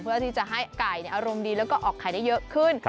เพื่อที่จะให้ไก่อารมณ์ดีแล้วก็ออกไข่ได้เยอะขึ้น